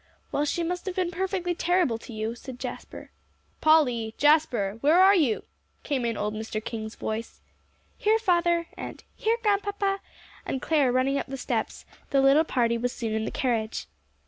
"Well, she must have been perfectly terrible to you," said Jasper. "Polly Jasper where are you?" came in old Mr. King's voice. "Here, father," and "Here, Grandpapa," and Clare running up the steps, the little party was soon in the carriage.